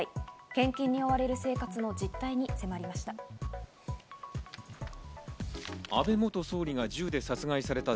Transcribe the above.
献金に追われる生活の実態に迫りました。